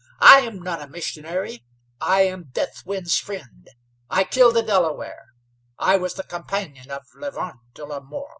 I am not a missionary. I am Deathwind's friend. I killed a Delaware. I was the companion of Le Vent de la Mort!"